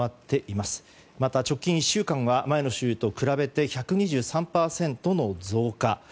また、直近１週間は前の週と比べて１２３％の増加。